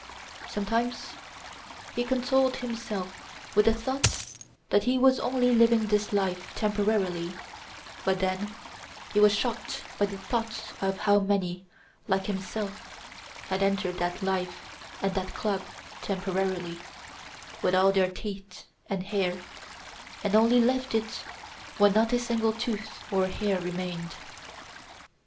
Sometimes he consoled himself with the thought that he was only living this life temporarily; but then he was shocked by the thought of how many, like himself, had entered that life and that club temporarily, with all their teeth and hair, and had only left it when not a single tooth or hair remained.